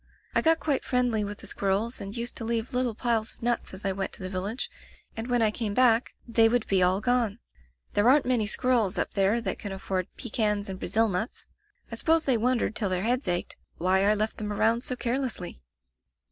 I got quite friendly with the squirrels, and used to leave little piles of nuts as I went to the village, and when I came back they would be all gone. There aren't many squirrels up there that can afford pe cans and Brazil nuts. I suppose they won dered till their heads ached, why I left them around so carelessly.